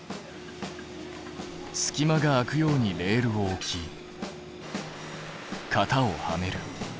隙間が空くようにレールを置き型をはめる。